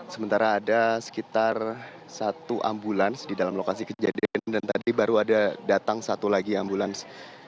sementara ada sekitar satu ambulans di dalam lokasi kejadian dan tadi baru ada datang satu lagi ambulans